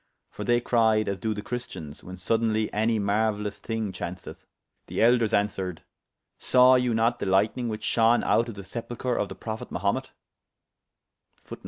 For they cryed as doe the Christians, when sodeynly any marueylous thyng chaunceth. The Elders answered, Sawe you not the lyghtning whiche shone out of the sepulchre of the Prophet Mahumet[FN#17]?